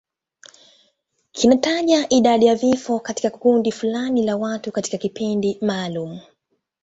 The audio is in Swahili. Kinataja idadi ya vifo katika kundi fulani la watu katika kipindi maalum.